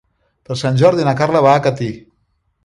Per Sant Jordi na Carla va a Catí.